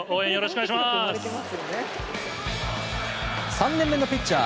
３年目のピッチャー